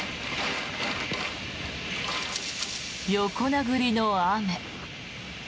横殴りの雨。